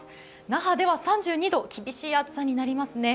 那覇では３２度、厳しい暑さになりますね。